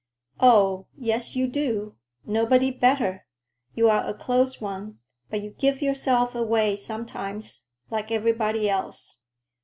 "Oh, yes, you do! Nobody better! You're a close one, but you give yourself away sometimes, like everybody else.